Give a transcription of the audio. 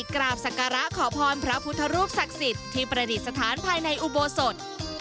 กราบศักระขอพรพระพุทธรูปศักดิ์สิทธิ์ที่ประดิษฐานภายในอุโบสถ